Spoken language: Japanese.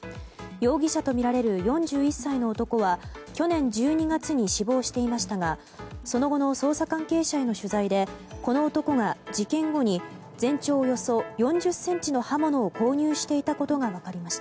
容疑者とみられる４１歳の男は去年１２月に死亡していましたがその後の捜査関係者への取材でこの男が事件後に全長およそ４０ｃｍの刃物を購入していたことが分かりました。